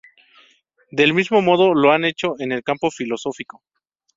Del mismo modo lo han hecho en el campo filosófico.